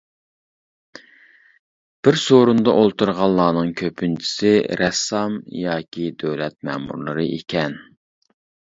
بىر سورۇندا ئولتۇرغانلارنىڭ كۆپىنچىسى رەسسام ياكى دۆلەت مەمۇرلىرى ئىكەن.